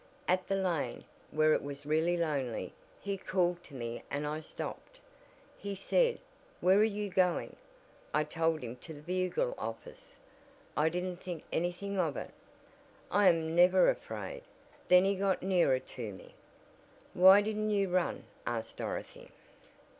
At the lane where it was really lonely he called to me and I stopped. He said 'Where are you going?' I told him to the Bugle office. I didn't think anything of it. I am never afraid. Then he got nearer to me " "Why didn't you run?" asked Dorothy.